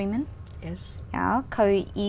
kế hoạch tự nhiên